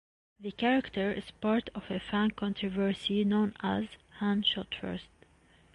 The character is part of a fan controversy known as "Han shot first".